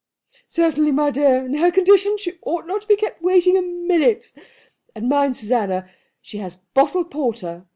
"Certainly, my dear. In her condition she ought not to be kept waiting a minute. And mind, Susanna, she has bottled porter.